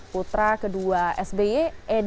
putra kedua sby edy